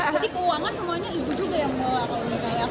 jadi keuangan semuanya ibu juga yang mengelola kalau misalnya